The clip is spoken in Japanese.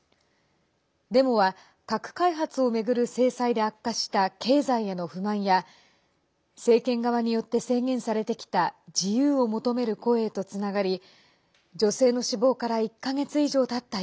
デモは、核開発を巡る制裁で悪化した経済への不満や政権側によって制限されてきた自由を求める声へとつながり女性の死亡から１か月以上たった